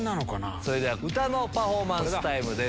それでは歌のパフォーマンスタイムです。